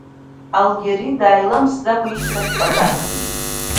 Алгьери, дааиламсӡакәа, ишьҭахьҟа даақәгьежьит.